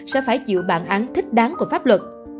sẽ phải chịu bản án thích đáng của pháp luật